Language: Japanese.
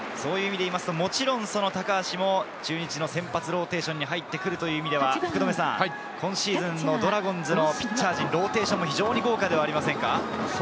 もちろん高橋も中日の先発ローテーションに入ってくるという意味では、今シーズンのドラゴンズのピッチャー陣、ローテーションも非常に豪華ではないですか。